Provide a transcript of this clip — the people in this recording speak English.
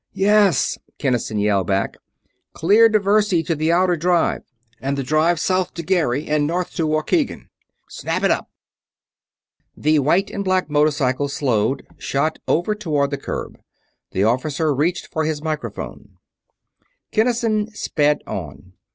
"Yes!" Kinnison yelled back. "Clear Diversey to the Outer Drive, and the Drive south to Gary and north to Waukegan. Snap it up!" The white and black motorcycle slowed; shot over toward the curb. The officer reached for his microphone. Kinnison sped on.